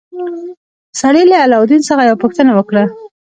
سړي له علاوالدین څخه یوه پوښتنه وکړه.